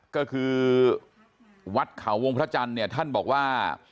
ก็คือวัดเขาวงพระจันทร์เนี่ยท่านบอกว่า